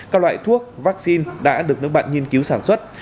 các loại thuốc vaccine đã được nước bạn nghiên cứu sản xuất